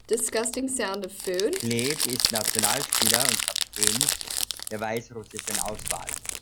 Hleb ist Nationalspieler und Kapitän der weißrussischen Auswahl.